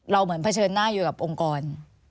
เหมือนเผชิญหน้าอยู่กับองค์กร